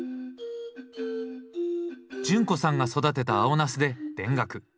潤子さんが育てた青ナスで田楽。